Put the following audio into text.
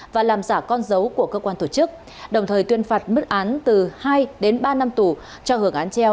và làm giả con dấu của cơ quan tổ chức đồng thời tuyên phạt mức án từ hai đến ba năm tù cho hưởng án treo